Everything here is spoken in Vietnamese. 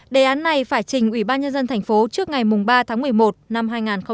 đề án này phải trình ủy ban nhân dân tp hcm trước ngày ba tháng một mươi một năm hai nghìn một mươi bảy